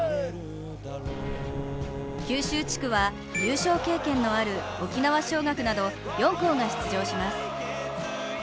九州地区は優勝経験のある沖縄尚学など４校が出場します。